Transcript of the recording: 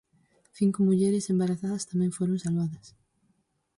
Cinco mulleres embarazadas tamén foron salvadas.